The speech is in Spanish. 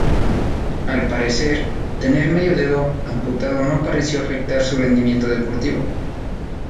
Al parecer, tener medio dedo amputado no pareció afectar su rendimiento deportivo.